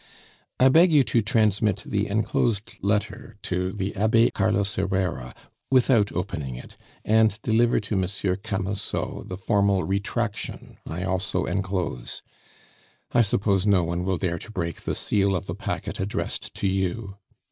"I beg you to transmit the enclosed letter to the Abbe Carlos Herrera without opening it, and deliver to Monsieur Camusot the formal retraction I also enclose. "I suppose no one will dare to break the seal of a packet addressed to you.